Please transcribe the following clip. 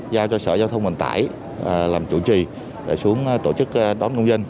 giao cho sở giao thông vận tải làm chủ trì để xuống tổ chức đón công dân